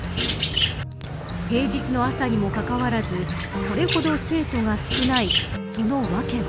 平日の朝にもかかわらずこれほど生徒が少ないその訳は。